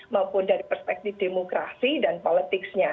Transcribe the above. maupun dari perspektif demokrasi dan politiknya